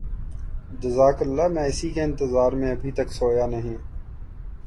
جزاک اللہ میں اسی کے انتظار میں ابھی تک سویا نہیں